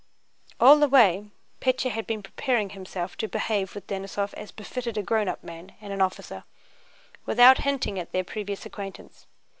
All the way Pétya had been preparing himself to behave with Denísov as befitted a grown up man and an officer—without hinting at their previous acquaintance.